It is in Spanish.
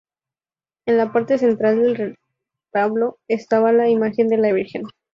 En la parte central del retablo estaba la imagen de la Virgen.